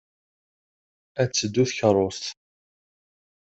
Ad teddu tkeṛṛust.